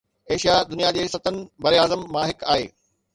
Asia دنيا جي ستن براعظمن مان هڪ آهي